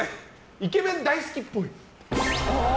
イケメン大好きっぽい。